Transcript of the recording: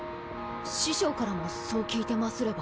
師匠からもそう聞いてますれば。